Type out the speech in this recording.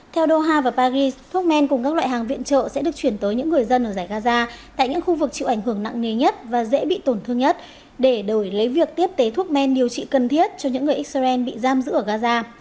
theo doha và paris thuốc men cùng các loại hàng viện trợ sẽ được chuyển tới những người dân ở giải gaza tại những khu vực chịu ảnh hưởng nặng nề nhất và dễ bị tổn thương nhất để đổi lấy việc tiếp tế thuốc men điều trị cần thiết cho những người israel bị giam giữ ở gaza